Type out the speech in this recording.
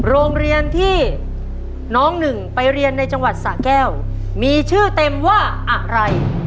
โรงเรียนที่น้องหนึ่งไปเรียนในจังหวัดสะแก้วมีชื่อเต็มว่าอะไร